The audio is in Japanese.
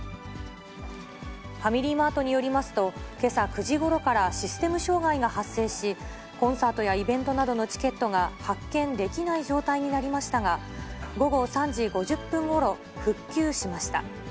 ファミリーマートによりますと、けさ９時ごろからシステム障害が発生し、コンサートやイベントなどのチケットが発券できない状態になりましたが、午後３時５０分ごろ、復旧しました。